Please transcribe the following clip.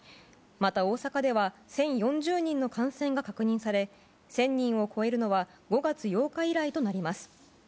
また、大阪では１０４０人の感染が確認され１０００人を超えるのは５月８日以来となります。